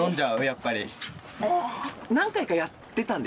やっぱり。